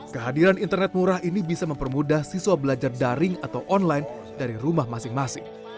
kehadiran internet murah ini bisa mempermudah siswa belajar daring atau online dari rumah masing masing